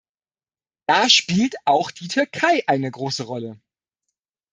Da spielt auch die Türkei eine große Rolle.